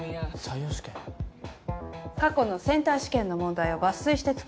過去のセンター試験の問題を抜粋して作ってあるから。